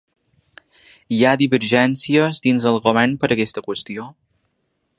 Hi ha divergències dins el govern per aquesta qüestió?